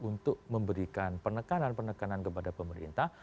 untuk memberikan penekanan penekanan kepada pemerintah